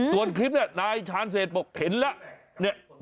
ส่วนคลิปเนี่ยนายชาญเศษบอกเห็นแล้ว